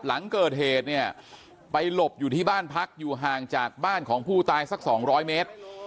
หลังเกิดเหตุเนี่ยไปหลบอยู่ที่บ้านพักอยู่ห่างจากบ้านของผู้ตายสัก๒๐๐เมตร